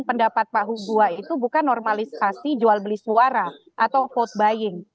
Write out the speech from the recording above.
pendapat pak hugua itu bukan normalisasi jual beli suara atau vote buying